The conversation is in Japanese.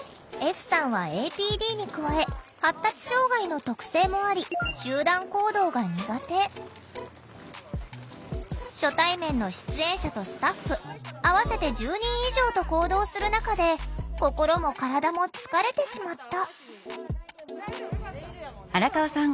歩さんはＡＰＤに加え発達障害の特性もあり初対面の出演者とスタッフ合わせて１０人以上と行動する中で心も体も疲れてしまった。